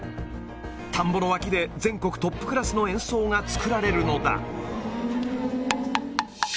田んぼの脇で全国トップクラスの演奏が作られるのだ。